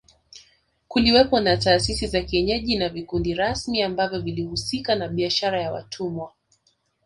Kulikuwepo na taasisi za kienyeji na vikundi rasmi ambavyo vilihusika na biashara ya watumwa